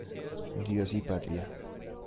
Dios y Patria".